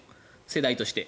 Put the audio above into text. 世代として。